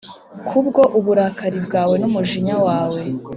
Kubwo uburakari bwawe numujinya wawe